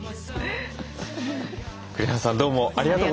栗原さんどうもありがとうございました。